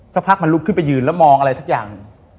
สักพักมันลุกขึ้นไปยืนแล้วมองอะไรสักอย่าง